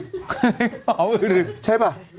หอมใช่ไหม